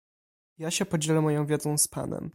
"Ja się podzielę moją wiedzą z panem."